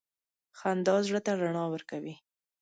• خندا زړه ته رڼا ورکوي.